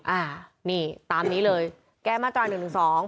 อ่านี่ตามนี้เลยแก้มาตราหนึ่งหนึ่งสอง